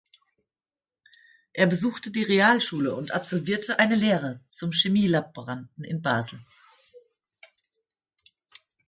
Er besuchte die Realschule und absolvierte eine Lehre zum Chemielaboranten in Basel.